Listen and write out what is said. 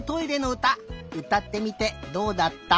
うたってみてどうだった？